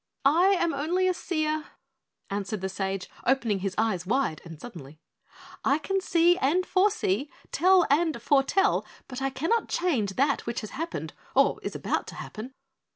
"I am only a seer," answered the sage, opening his eyes wide and suddenly. "I can see and foresee, tell and foretell, but I cannot change that which has happened or is about to happen."